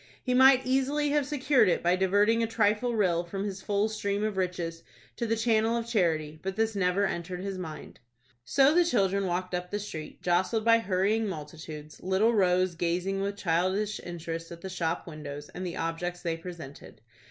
He might easily have secured it by diverting a trifling rill, from his full stream of riches, to the channel of charity; but this never entered his mind. So the children walked up the street, jostled by hurrying multitudes, little Rose gazing with childish interest at the shop windows, and the objects they presented.